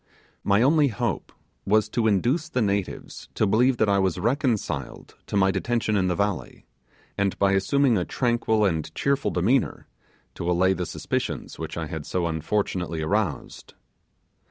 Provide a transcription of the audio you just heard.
My only hope was to induce the natives to believe that I was reconciled to my detention in the valley, and by assuming a tranquil and cheerful demeanour, to allay the suspicions which I had so unfortunately aroused.